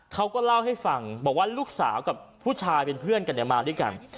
เขาก็เล่าให้ฟังบอกว่าลูกสาวกับผู้ชายเป็นเพื่อนกันมาด้วยกัน